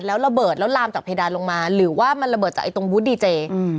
แล้วระเบิดแล้วลามจากเพดานลงมาหรือว่ามันระเบิดจากไอ้ตรงบูธดีเจอืม